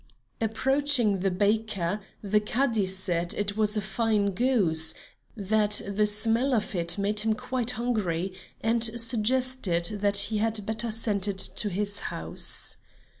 Approaching the baker, the Cadi said it was a fine goose; that the smell of it made him quite hungry, and suggested that he had better send it to his house.